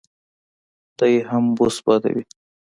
دی هم بوس بادوي.